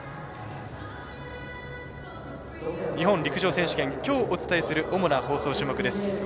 日本陸上選手権きょうお伝えする主な放送種目です。